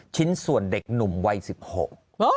ชิ้นส่วนเด็กหนุ่มวัยสิบหก